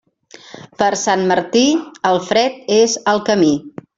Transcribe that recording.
Per Sant Martí, el fred és al camí.